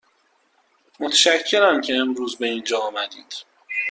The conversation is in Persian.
متشکرم که امروز به اینجا آمدید.